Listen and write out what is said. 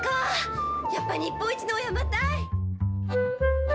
やっぱ日本一のお山たい！